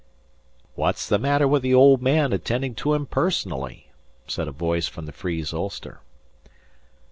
"What's the matter with the old man attending to him personally?" said a voice from the frieze ulster.